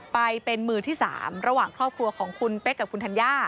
ไปเป็นมือที่๓ระหว่างครอบครัวของคุณเป๊กกับคุณธัญญา